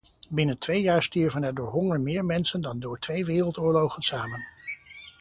Binnen twee jaar stierven er door honger meer mensen dan door twee wereldoorlogen samen.